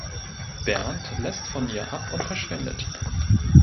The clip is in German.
Bernd lässt von ihr ab und verschwindet.